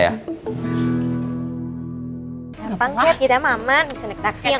gampang ya kita aman bisa naik taksi